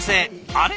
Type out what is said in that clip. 「あれ？